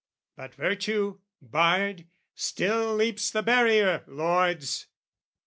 But virtue, barred, still leaps the barrier, lords!